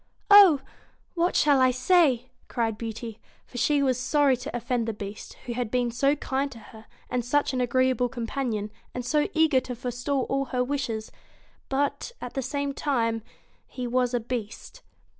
' Oh 1 what shall I say ?' cried Beauty ; for she was sorry to offend the Beast, who had been so kind to her, and such an agreeable companion, and so eager to forestall all her wishes ; but, at the same time he was a Beast.